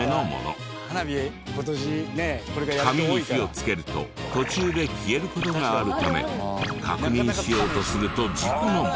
紙に火をつけると途中で消える事があるため確認しようとすると事故のもとに。